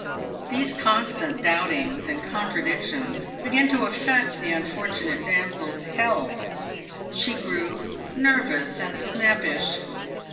These constant doubt iugs and contradictions began to affect the unfortunate damsel's health. She grew nervous and snappish.